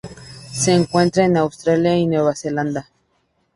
Se encuentra en Australia y Nueva Zelanda.